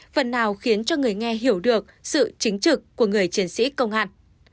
phần nào khiến cho người nghe hiểu được sự chính trực của người chiến sĩ công an